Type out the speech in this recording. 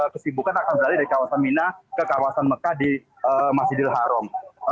kesibukan akan berlari dari kawasan mina ke kawasan mekah di masjidil haram